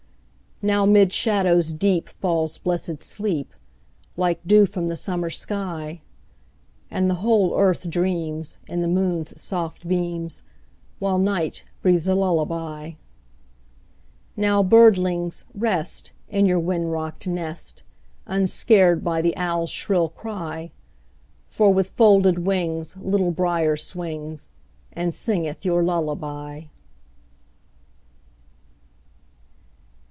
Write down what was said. Now 'mid shadows deep Falls blessed sleep, Like dew from the summer sky; And the whole earth dreams, In the moon's soft beams, While night breathes a lullaby. Now, birdlings, rest, In your wind rocked nest, Unscared by the owl's shrill cry; For with folded wings Little Brier swings, And singeth your lullaby.